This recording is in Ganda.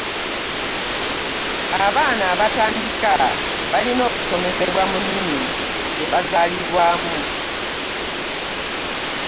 Abaana abatandika, balina okusomesebwa mu nnimi ze baazaalirwamu